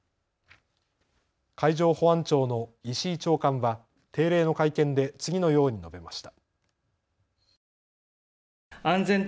海上保安庁の石井長官は定例の会見で次のように述べました。